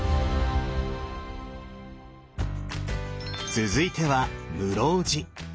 続いては室生寺。